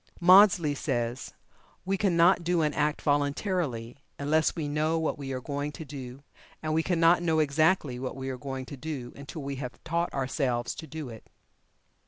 Maudsley says: "We cannot do an act voluntarily unless we know what we are going to do, and we cannot know exactly what we are going to do until we have taught ourselves to do it."